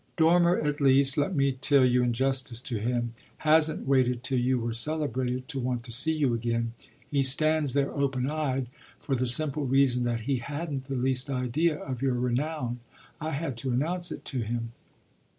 "Dormer at least, let me tell you in justice to him, hasn't waited till you were celebrated to want to see you again he stands there open eyed for the simple reason that he hadn't the least idea of your renown. I had to announce it to him."